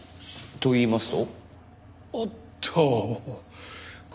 といいますと？